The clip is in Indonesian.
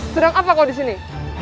sedang apa kok di sini